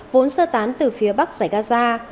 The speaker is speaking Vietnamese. vốn sơ tán từ phía bắc giải gaza